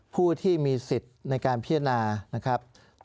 ผู้ที่มีสิทธิ์ในการพิจารณานะครับ